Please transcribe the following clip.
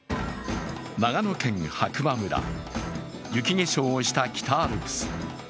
長野県白馬村、雪化粧をした北アルプス。